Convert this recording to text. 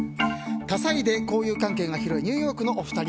多彩で交友関係の広いニューヨークのお二人。